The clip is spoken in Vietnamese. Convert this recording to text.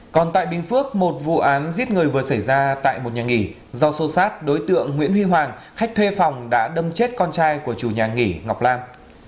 còn tại bình phước một vụ án giết người vừa xảy ra tại một nhà nghỉ do sâu sát đối tượng nguyễn huy hoàng khách thuê phòng đã đâm chết con trai của chủ nhà nghỉ ngọc lan